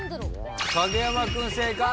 影山君正解。